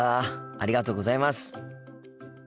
ありがとうございます。